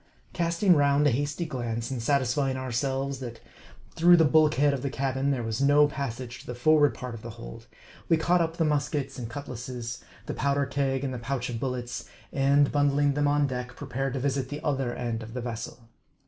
Casting round a hasty glance, and satisfying ourselves, that through the bulkhead of the cabin, there was no passage to the forward part of the hold, we caught up the muskets and cutlasses, the powder keg and the pouch of bullets, and bundling them on deck, prepared to visit the other end of the vessel.